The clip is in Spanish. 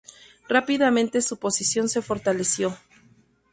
Rápidamente su posición se fortaleció.